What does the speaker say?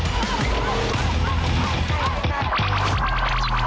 โอ้โฮโอ้โฮโอ้โฮ